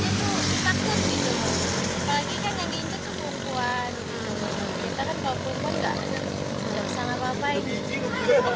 kita kan kalau perempuan nggak ada